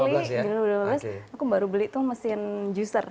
januari dua ribu dua belas aku baru beli tuh mesin juicer